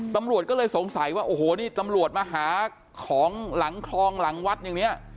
ตำรวจก็เลยสงสัยว่าโอ้โหนี่ตำรวจมาหาของหลังคลองหลังวัดอย่างนี้